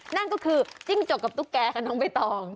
นั่นก็คือจิ้งจกกับตุ๊กแก่ค่ะน้องใบตอง